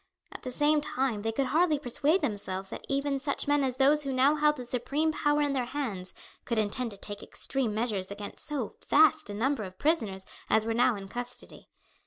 At the same time they could hardly persuade themselves that even such men as those who now held the supreme power in their hands, could intend to take extreme measures against so vast a number of prisoners as were now in custody.